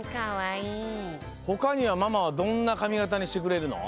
ほかにはママはどんなかみがたにしてくれるの？